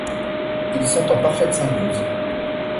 Ils sont en parfaite symbiose.